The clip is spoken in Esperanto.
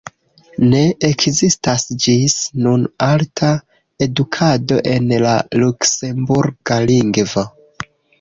Ne ekzistas ĝis nun alta edukado en la luksemburga lingvo.